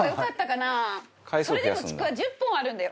それでもちくわ１０本あるんだよ。